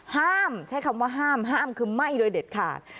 ห้ามใช้คำว่าห้ามห้ามคือไหม้โดยเด็ดขาด